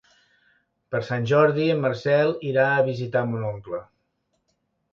Per Sant Jordi en Marcel irà a visitar mon oncle.